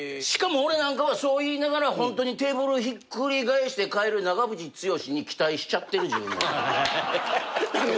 しかも俺なんかはそう言いながらホントにテーブルをひっくり返して帰る長渕剛に期待しちゃってる自分も。